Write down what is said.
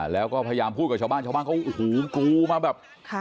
แล้วก็พยายามพูดกับชาวบ้านชาวบ้านเขาโอ้โหกรูมาแบบ